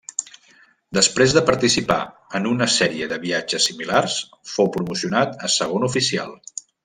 Després de participar en una sèrie de viatges similars fou promocionat a segon oficial.